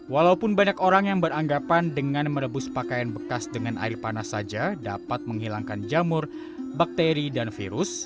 walaupun banyak orang yang beranggapan dengan merebus pakaian bekas dengan air panas saja dapat menghilangkan jamur bakteri dan virus